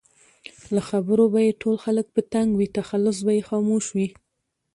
له خبرو به یې ټول خلک په تنګ وي؛ تخلص به یې خاموش وي